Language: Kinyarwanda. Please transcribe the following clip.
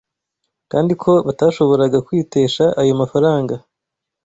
kandi ko batashoboraga kwitesha ayo mafaranga